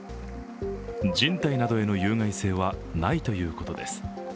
人体などへの有害性はないということです。